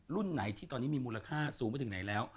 รุ่นไหนที่ตอนนี้มีมูลค่าสูงไปถึงไหนแล้ว